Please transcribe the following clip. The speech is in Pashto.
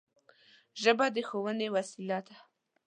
ژبه د ښوونې وسیله ده